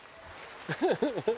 フフフ！